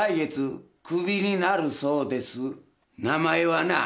名前はな